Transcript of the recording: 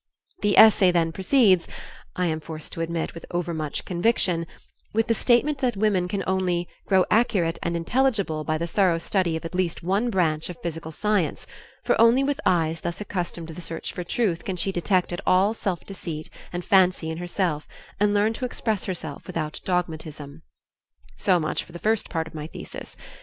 The essay then proceeds I am forced to admit, with overmuch conviction with the statement that women can only "grow accurate and intelligible by the thorough study of at least one branch of physical science, for only with eyes thus accustomed to the search for truth can she detect all self deceit and fancy in herself and learn to express herself without dogmatism." So much for the first part of the thesis.